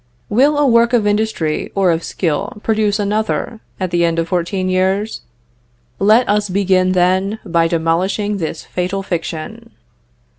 "Will a work of industry or of skill produce another, at the end of fourteen years? "Let us begin, then, by demolishing this fatal fiction."